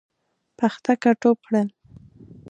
پختکه ټوپ کړل.